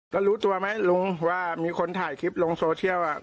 แล้วรู้ตัวไหมลุงว่ามีคนถ่ายคลิปลงโซเชียล